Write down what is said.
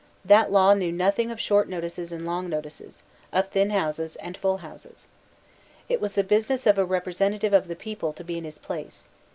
That law knew nothing of short notices and long notices, of thin houses and full houses. It was the business of a representative of the people to be in his place.